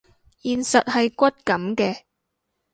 現實係骨感嘅